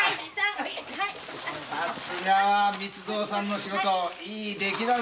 さすが光蔵さんの仕事だ。